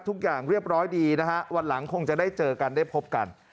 ทุกอย่างเรียบร้อยดีนะฮะวันหลังคงจะได้เจอกันได้พบกัน